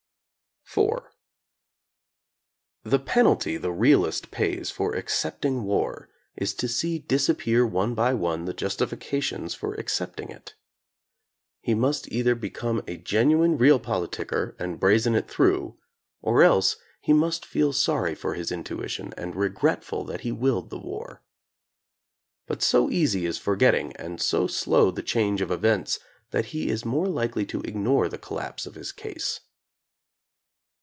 IV The penalty the realist pays for accepting war is to see disappear one by one the justifications for accepting it. He must either become a genuine Realpolitiker and brazen it through, or else he must feel sorry for his intuition and regretful that he willed the war. But so easy is forgetting and so slow the change of events that he is more likely to ignore the collapse of his case.